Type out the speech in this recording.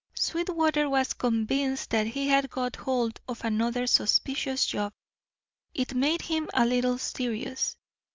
Sweetwater was convinced that he had got hold of another suspicious job. It made him a little serious.